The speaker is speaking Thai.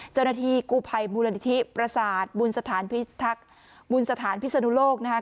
เจ้าหน้าที่กู้ภัยมูลนิธิประสาทบุญสถานพิสนุโลกนะฮะ